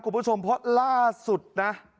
คุณผู้ชมเพราะล่าสุดนะ